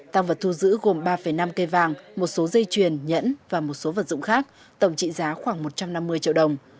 tăng vật thu giữ gồm ba năm cây vàng một số dây chuyền nhẫn và một số vật dụng khác tổng trị giá khoảng một trăm năm mươi triệu đồng